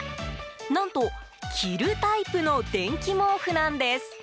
何と、着るタイプの電気毛布なんです。